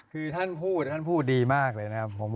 คือท่านพูดท่านพูดดีมากเลยนะครับ